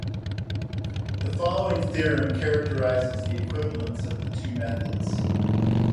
The following theorem characterises the equivalence of the two methods.